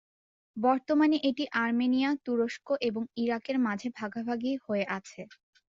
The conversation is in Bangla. বর্তমানে এটি আর্মেনিয়া, তুরস্ক এবং ইরাকের মাঝে ভাগাভাগি হয়ে আছে।